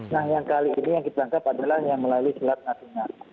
nah yang kali ini yang ditangkap adalah yang melalui selatan atina